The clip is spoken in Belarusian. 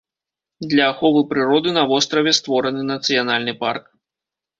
Для аховы прыроды на востраве створаны нацыянальны парк.